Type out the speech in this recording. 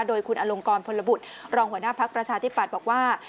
โดยคุณอลงกรพลบุตรรองหัวหน้าภักดิ์ประชาธิปัตย์บอกว่า